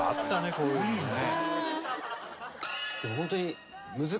こういうのね。